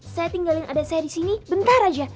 saya tinggalin ada saya disini bentar aja